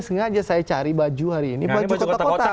sengaja saya cari baju hari ini baju kotak kotak